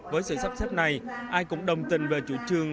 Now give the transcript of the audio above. với sự sắp xếp này ai cũng đồng tình về chủ trương